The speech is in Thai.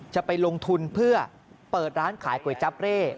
จะไปลงทุนเพื่อเปิดร้านขายก๋วยจับเร่